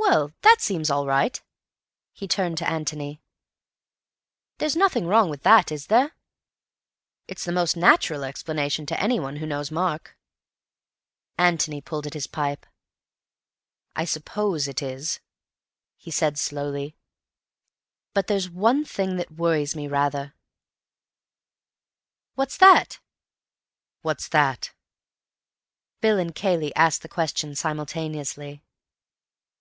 "Well, that seems all right." He turned to Antony. "There's nothing wrong with that, is there? It's the most natural explanation to anyone who knows Mark." Antony pulled at his pipe. "I suppose it is," he said slowly. "But there's one thing that worries me rather." "What's that?" Bill and Cayley asked the question simultaneously.